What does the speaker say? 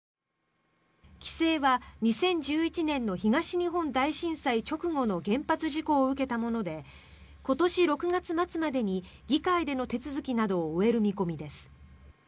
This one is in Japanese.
規制は２０１１年の東日本大震災直後の原発事故を受けたもので今年６月末までに議会での手続きなどを終える見込みです。